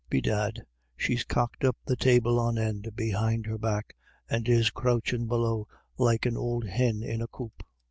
Bedad, she's cocked up the table on end behind her back, and is croochin' below like an ould hin in a coop.